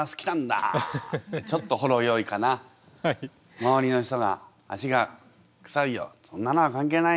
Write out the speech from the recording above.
周りの人が「足がくさいよ」。「そんなのは関係ない。